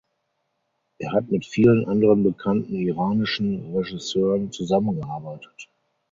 Er hat mit vielen anderen bekannten iranischen Regisseuren zusammengearbeitet.